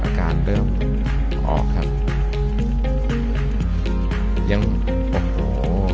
อาการเริ่มออกครับยังโอ้โห